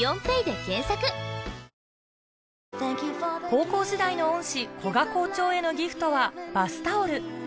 高校時代の恩師古賀校長へのギフトはバスタオル